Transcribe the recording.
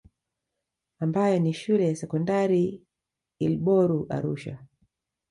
Ambayo ni shule ya Sekondari Ilboru Arusha